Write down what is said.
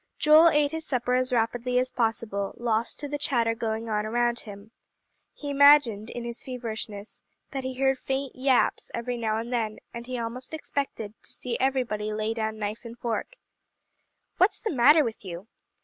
Joel ate his supper as rapidly as possible, lost to the chatter going on around him. He imagined, in his feverishness, that he heard faint "yaps" every now and then; and he almost expected to see everybody lay down knife and fork. "What's the matter with you?"